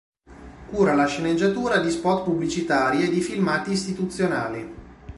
Cura la sceneggiatura di spot pubblicitari e di filmati istituzionali.